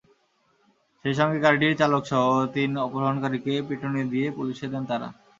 সেই সঙ্গে গাড়িটির চালকসহ তিন অপহরণকারীকে পিটুনি দিয়ে পুলিশে দেন তাঁরা।